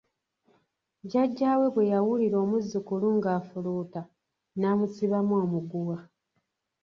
Jajja we bwe yawulira omuzzukulu ng’afuluuta n’amusibamu omuguwa,